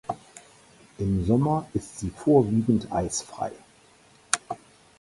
Im Sommer ist sie vorwiegend eisfrei.